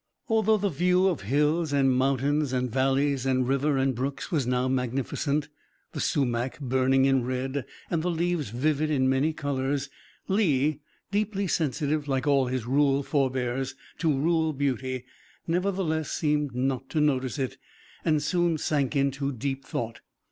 Although the view of hills and mountains and valleys and river and brooks was now magnificent, the sumach burning in red and the leaves vivid in many colors, Lee, deeply sensitive, like all his rural forbears, to rural beauty, nevertheless seemed not to notice it, and soon sank into deep thought.